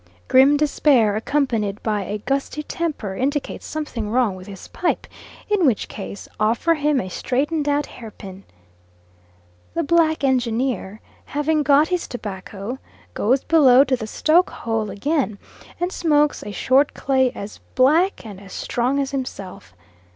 Grim despair accompanied by a gusty temper indicates something wrong with his pipe, in which case offer him a straightened out hairpin. The black engineer having got his tobacco, goes below to the stoke hole again and smokes a short clay as black and as strong as himself.